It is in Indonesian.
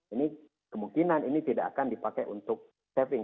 ini kemungkinan ini tidak akan dipakai untuk saving